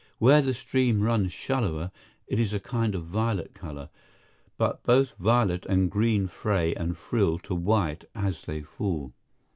Where the stream runs shallower it is a kind of violet color, but both violet and green fray and frill to white as they fall.